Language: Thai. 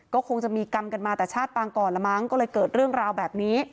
ก็คงจะมีกรรมกันมาแต่ชาติปางก่อนละมั้งก็เลยเกิดเรื่องราวแบบนี้